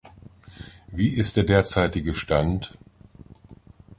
Wie ist der derzeitige Stand?